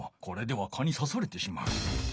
これでは蚊にさされてしまう。